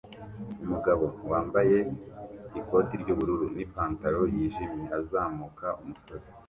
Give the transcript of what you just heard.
Umugabo wambaye ikoti ry'ubururu n'ipantaro yijimye azamuka umusozi